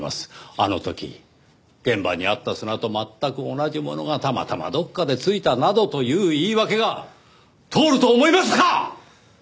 あの時現場にあった砂と全く同じものがたまたまどこかでついたなどという言い訳が通ると思いますか！？